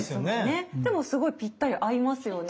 でもすごいぴったり合いますよね。